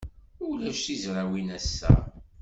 Ulac tizrawin ass-a.